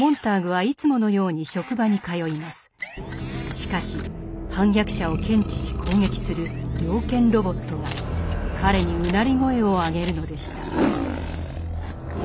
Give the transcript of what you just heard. しかし反逆者を検知し攻撃する猟犬ロボットが彼にうなり声を上げるのでした。